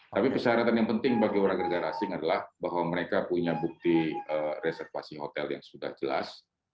tapi persyaratan yang penting bagi warga negara asing adalah bahwa mereka punya bukti reservasi hotel yang sudah jelas